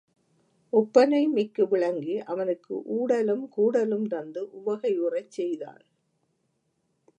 ஒப்பனைமிக்கு விளங்கி அவனுக்கு ஊடலும், கூடலும் தந்து உவகையுறச் செய்தாள்.